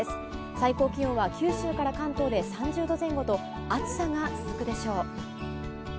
最高気温は九州から関東で３０度前後と暑さが続くでしょう。